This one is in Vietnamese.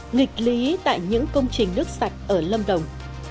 nghịch lý tại những công trình nước sạch ở lâm đồng